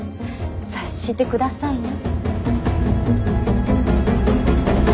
察してくださいな。